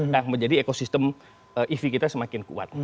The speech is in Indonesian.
dan menjadi ekosistem ev kita semakin kuat